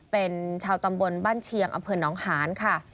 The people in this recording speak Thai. เป็นชาวตำบลบ้านเชียงอนหานค่ะ